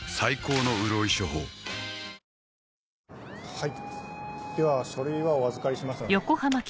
はいでは書類はお預かりしますので。